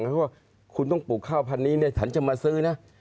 เพราะว่าคุณต้องปลูกข้าวพันนี้เนี่ยฉันจะมาซื้อนะ